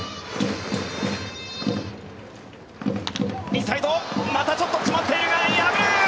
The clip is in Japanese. インサイドまたちょっと詰まっているが破る！